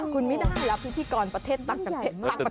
คุณมิด้านรับพิธีกรประเทศต่างประเทศ